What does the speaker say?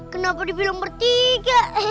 kenapa dibilang bertiga